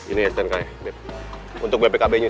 ini ya sten kayaknya untuk bpkbnya